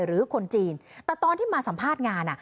หรือคนจีนแต่ตอนที่มาสัมภาษณ์งาน